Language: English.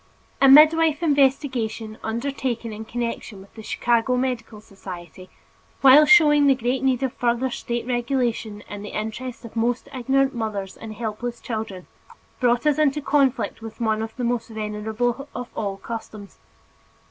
A midwife investigation, undertaken in connection with the Chicago Medical Society, while showing the great need of further state regulation in the interest of the most ignorant mothers and helpless children, brought us into conflict with one of the most venerable of all customs.